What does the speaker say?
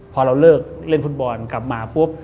พอเราเลิกเล่นฟุตบอลกลับมาปุ๊บ